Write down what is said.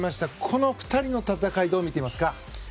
この２人の戦いをどう見ていますか。